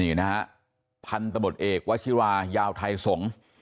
นี่นะฮะพันธบทเอกวชิรายาวไทยสงศ์